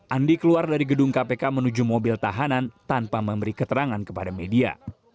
andi keluar dari gedung kpk menuju mobil tahanan tanpa memberi keterangan kepada media